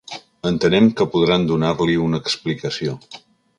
Entenem que podran donar-li una explicació.